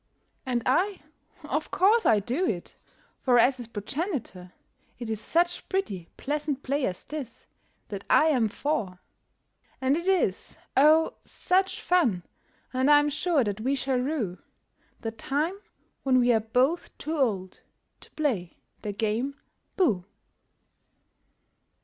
And I of course I do it; for, as his progenitor, It is such pretty, pleasant play as this that I am for! And it is, oh, such fun I am sure that we shall rue The time when we are both too old to play the game "Booh!"